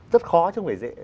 rất khó chứ không phải dễ